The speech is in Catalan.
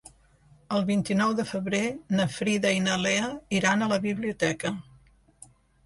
El vint-i-nou de febrer na Frida i na Lea iran a la biblioteca.